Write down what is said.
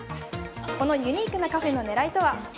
このユニークなカフェの狙いとは。